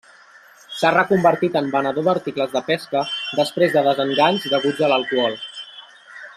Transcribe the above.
S'ha reconvertit en venedor d'articles de pesca després de desenganys deguts a l'alcohol.